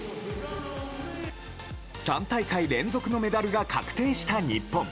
３大会連続のメダルが確定した日本。